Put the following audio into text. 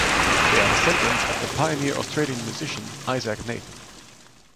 They are descendants of the pioneer Australian musician Isaac Nathan.